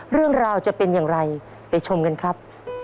เรื่องราวจะเป็นอย่างไรไปชมกันครับ